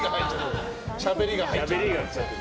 しゃべりが入っちゃってる。